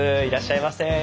いらっしゃいませ。